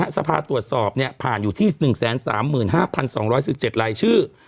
สภาตรวจสอบผ่านอยู่ที่๑๓๕๒๑๗รายชื่อ